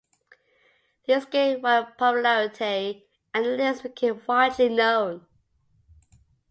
These gained wide popularity, and the list became widely known.